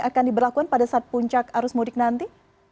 akan diberlakukan pada saat puncak arus mudik nanti